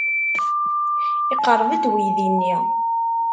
Iqerreb-d uydi-nni.